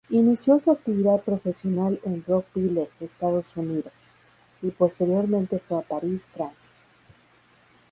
Inició su actividad profesional en Rockville, Estados Unidos, y posteriormente fue a París, Francia.